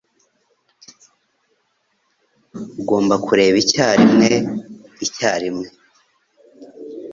Ugomba kureba icyarimwe icyarimwe.